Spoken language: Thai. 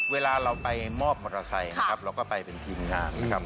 เวลาเราไปมอบมอเตอร์ไซค์นะครับเราก็ไปเป็นทีมงานนะครับ